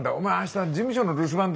事務所の留守番頼むよ。